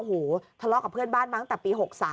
โอ้โหทะเลาะกับเพื่อนบ้านมาตั้งแต่ปี๖๓